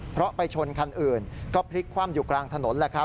เพราะไปชนคันอื่นก็พลิกคว่ำอยู่กลางถนน